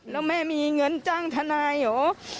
แล้วแม่มีเงินจ้างทนายเหรอ